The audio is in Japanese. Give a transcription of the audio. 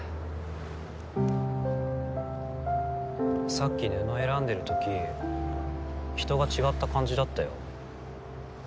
さっき布選んでるとき人が違った感じだったよ。